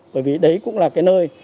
bởi vì đấy cũng là cái nơi